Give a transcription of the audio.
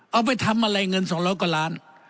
เอาไปทำอะไรเงินสองร้อยกว่าล้าน